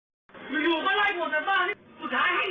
หนุ่มรายเดอร์คนนี้เขาบอกว่าขอพื้นที่ให้กับเขาในสังคมด้วย